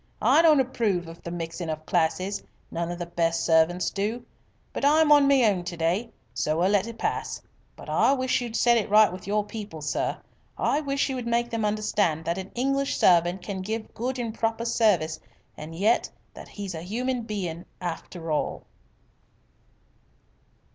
"I don't approve of the mixin' of classes none of the best servants do. But I'm on my own to day, so we'll let it pass. But I wish you'd set it right with your people, sir. I wish you would make them understand that an English servant can give good and proper service and yet that he's a human bein' I after all."